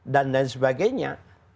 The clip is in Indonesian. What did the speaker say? dan lain sebagainya